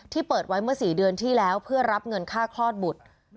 เปิดไว้เมื่อ๔เดือนที่แล้วเพื่อรับเงินค่าคลอดบุตร